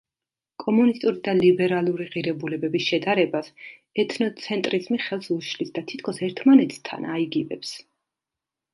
კომუნისტური და ლიბერალური ღირებულებების შედარებას ეთნოცენტრიზმი ხელს უშლის და თითქოს ერთმანეთთან აიგივებს.